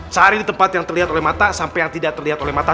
sehari di tempat yang terlihat oleh mata sampai yang tidak terlihat oleh mata